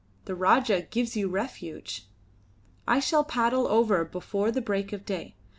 The Rajah gives you refuge." "I shall paddle over before the break of day.